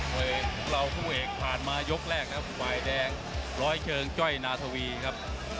มวยของเราคู่เอกผ่านมายกแรกนะครับฝ่ายแดงร้อยเชิงจ้อยนาธวีครับ